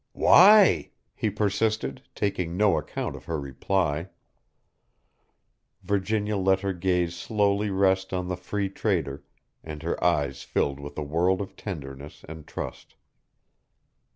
"Why?" he persisted, taking no account of her reply. Virginia let her gaze slowly rest on the Free Trader, and her eyes filled with a world of tenderness and trust.